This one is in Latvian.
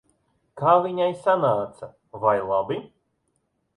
Kā viņai sanāca? Vai labi?